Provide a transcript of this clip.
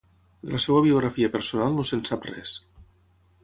De la seva biografia personal no se'n sap res.